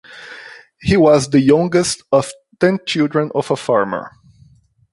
He was the youngest of ten children of a farmer.